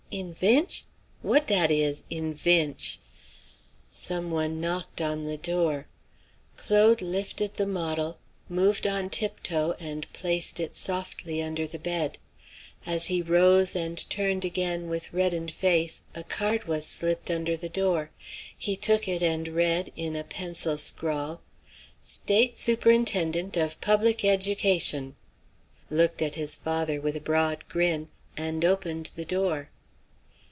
"Invench? What dat is invench?" Some one knocked on the door. Claude lifted the model, moved on tiptoe, and placed it softly under the bed. As he rose and turned again with reddened face, a card was slipped under the door. He took it and read, in a pencil scrawl, "State Superintendent of Public Education," looked at his father with a broad grin, and opened the door.